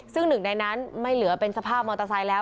ซึ่งหนึ่งในนั้นไม่เหลือเป็นสภาพมอเตอร์ไซค์แล้ว